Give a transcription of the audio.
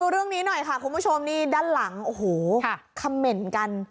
เรื่องนี้หน่อยค่ะคุณผู้ชมนี่ด้านหลังโอ้โหคำเหม็นกัน